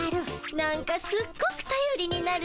なんかすっごくたよりになるわ。